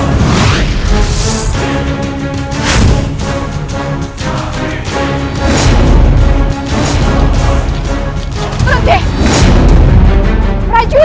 raja raja tangkap dia